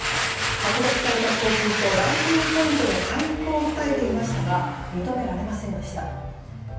剥奪された賞金とランキングポイントの回復を訴えていましたが認められませんでした。